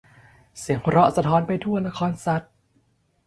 เสียงหัวเราะสะท้อนไปทั่วละครสัตว์